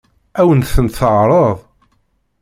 Ad wen-tent-teɛṛeḍ?